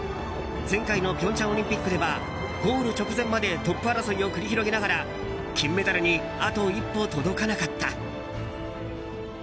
前回の平昌オリンピックではゴール直前までトップ争いを繰り広げながら金メダルにあと一歩届かなかった。